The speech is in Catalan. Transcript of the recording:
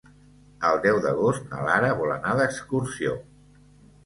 El deu d'agost na Lara vol anar d'excursió.